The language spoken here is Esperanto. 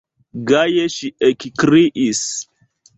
Gaje ŝi ekkriis: